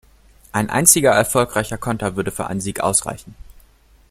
Ein einziger erfolgreicher Konter würde für einen Sieg ausreichen.